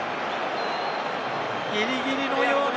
ギリギリのような。